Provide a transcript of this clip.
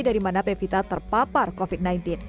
dari mana pevita terpapar covid sembilan belas